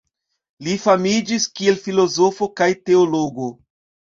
Li famiĝis kiel filozofo kaj teologo.